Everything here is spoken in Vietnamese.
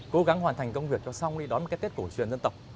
cố gắng hoàn thành công việc cho xong đi đón một cái tết cổ truyền dân tộc